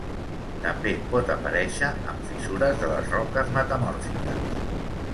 També pot aparèixer en fissures de les roques metamòrfiques.